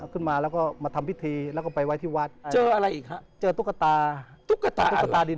เอาขึ้นมาแล้วก็มาทำพิธีแล้วก็ไปไว้ที่วัด